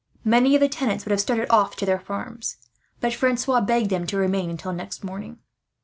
Many of the tenants would have started off to their farms, but Francois begged them to remain until next morning.